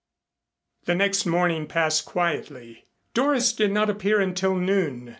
The next morning passed quietly. Doris did not appear until noon.